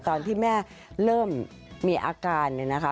ตอนที่แม่เริ่มมีอาการเนี่ยนะคะ